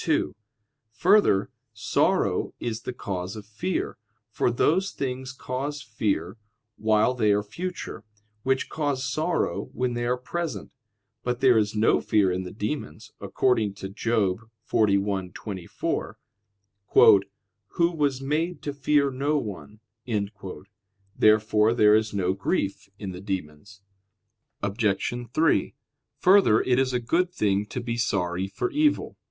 2: Further, sorrow is the cause of fear, for those things cause fear while they are future, which cause sorrow when they are present. But there is no fear in the demons, according to Job 41:24, "Who was made to fear no one." Therefore there is no grief in the demons. Obj. 3: Further, it is a good thing to be sorry for evil.